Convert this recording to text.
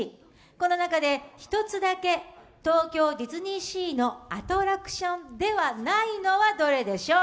この中で１つだけ東京ディズニーシーのアトラクションではないのはどれでしょう？